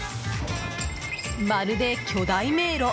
まるで巨大迷路。